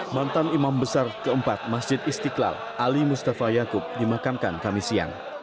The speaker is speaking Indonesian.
mantan imam besar keempat masjid istiqlal ali mustafa yaakub dimakamkan kami siang